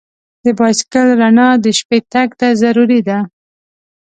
د بایسکل رڼا د شپې تګ ته ضروري ده.